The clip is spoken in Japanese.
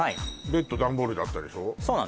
ベッドダンボールだったでしょ